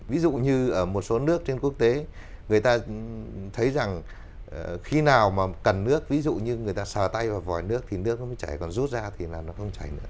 ví dụ như ở một số nước trên quốc tế người ta thấy rằng khi nào mà cần nước ví dụ như người ta sờ tay vào vòi nước thì nước nó mới chảy vào rút ra thì là nó không chảy nữa